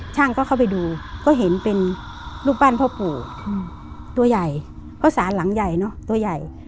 ช่างก็เข้าไปดูก็เห็นเป็นรูปปั้นพ่อปู่ตัวใหญ่เพราะสารหลังใหญ่เนอะตัวใหญ่